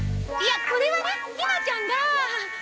いやこれはねひまちゃんが。